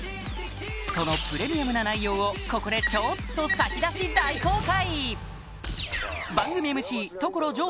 そのプレミアムな内容をここでちょっと先出し大公開！